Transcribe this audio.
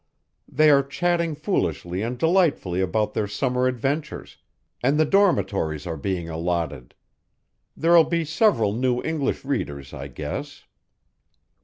"They are chattering foolishly and delightfully about their summer adventures ... and the dormitories are being allotted. There'll be several new English readers, I guess."